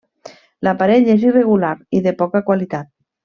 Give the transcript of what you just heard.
L'aparell és irregular i de poca qualitat.